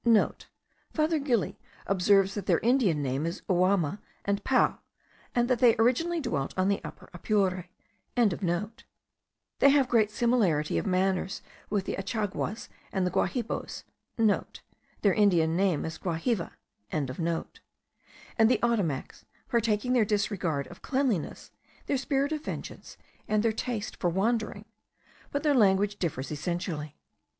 (* Father Gili observes that their Indian name is Uamu and Pau, and that they originally dwelt on the Upper Apure.) They have great similarity of manners with the Achaguas, the Guajibos,* (* Their Indian name is Guahiva.) and the Ottomacs, partaking their disregard of cleanliness, their spirit of vengeance, and their taste for wandering; but their language differs essentially.